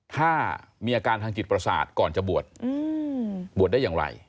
ถ้ามีอาการทางจิตประสาทก่อนจะบวชบวชได้อย่างไร